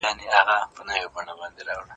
منصبونه یې دامونه وبلل